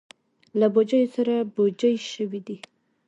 له بوجیو سره بوجۍ شوي دي.